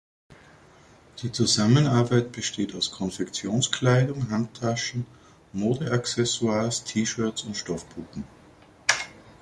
Die Zusammenarbeit besteht aus Konfektionskleidung, Handtaschen, Modeaccessoires, T-Shirts und Stoffpuppen.